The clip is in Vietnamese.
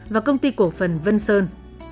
và công ty cổ phần vân sơn